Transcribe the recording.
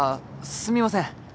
すみません。